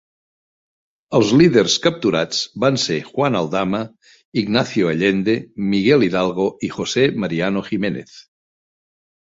Els líders capturats van ser Juan Aldama, Ignacio Allende, Miguel Hidalgo y José Mariano Jiménez.